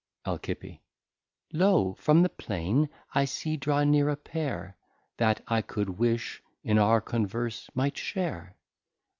Alci. Lo, from the Plain I see draw near a Pair That I could wish in our Converse might share.